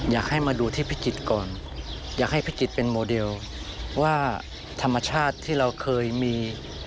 อยากให้พี่กิจเป็นโมเดลว่าธรรมชาติที่เราเคยมี